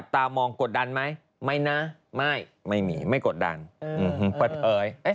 ตามองกดดันไหมไม่นะไม่ไม่มีไม่กดดันอื้อหือประเภยเอ๊ะ